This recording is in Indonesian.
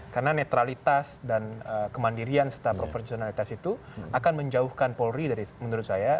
karena netralitas dan kemandirian serta profesionalitas itu akan menjauhkan polri menurut saya